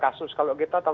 kasus kalau kita tahu